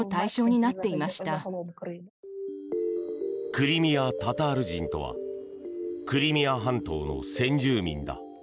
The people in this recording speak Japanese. クリミア・タタール人とはクリミア半島の先住民だ。